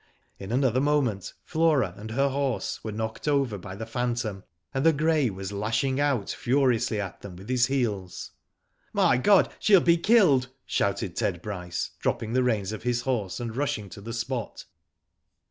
In another moment Flora and her horse were knocked over by the phantom, and the grey was lashing out furiously at them with his heels. My God, sheMl be killed!" shouted Ted Bryce, dropping the reins of his horse, and rushing to the spot.